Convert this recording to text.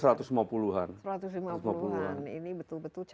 ini betul betul catatan yang tidak